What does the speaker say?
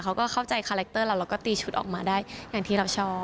เขาก็เข้าใจคาแรคเตอร์เราแล้วก็ตีชุดออกมาได้อย่างที่เราชอบ